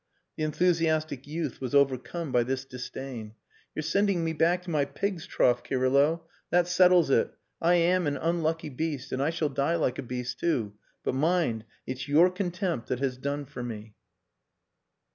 The enthusiastic youth was overcome by this disdain. "You're sending me back to my pig's trough, Kirylo. That settles it. I am an unlucky beast and I shall die like a beast too. But mind it's your contempt that has done for me."